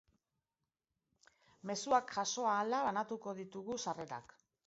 Mezuak jaso ahala banatuko ditugu sarrerak.